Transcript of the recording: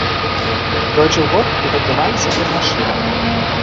Тройчы ў год тут адбываліся кірмашы.